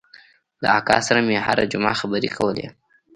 له اکا سره مې هره جمعه خبرې کولې.